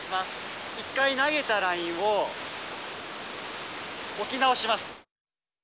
一回投げたラインを置き直します。